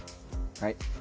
はい。